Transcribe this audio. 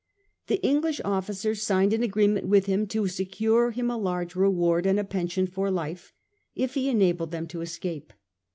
The English officers signed an agreement with him to secure him a large reward, and a pension for life, if he enabled them to escape.